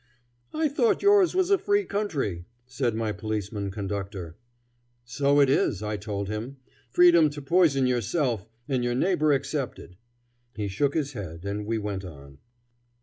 "I thought yours was a free country," said my policeman conductor. "So it is," I told him, "freedom to poison yourself and your neighbor excepted." He shook his head, and we went on.